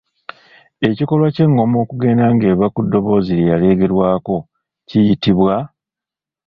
Ekikolwa ky'engoma okugenda ng'eva ku ddoboozi lye yaleegerwako kiyitibwa?